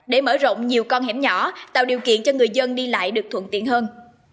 để mở rộng nhiều con hẻm nhỏ tạo điều kiện cho người dân đi lại được thuận tiện hơn